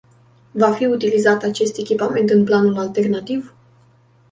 Va fi utilizat acest echipament în planul alternativ?